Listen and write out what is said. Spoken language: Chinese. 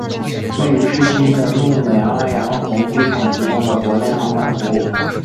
位于市区的努美阿洋红机场提供了国内航班的服务。